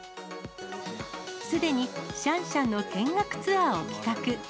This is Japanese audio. すでにシャンシャンの見学ツアーを企画。